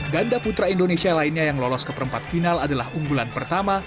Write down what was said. ganda putra indonesia lainnya yang lolos ke perempat final adalah unggulan pertama